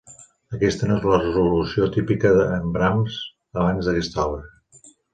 Aquesta no és la resolució típica en Brahms abans d'aquesta obra.